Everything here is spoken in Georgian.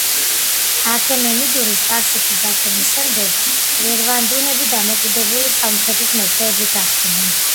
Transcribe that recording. აქემენიდური სპარსეთის დაცემის შემდეგ, ერვანდუნები დამოუკიდებელი სომხეთის მეფეები გახდნენ.